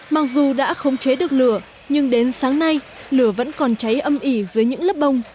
mặc dù đã khống chế được lửa nhưng đến sáng nay lửa vẫn còn cháy âm ỉ dưới những lớp bông